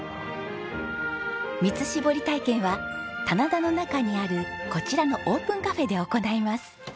蜜搾り体験は棚田の中にあるこちらのオープンカフェで行います。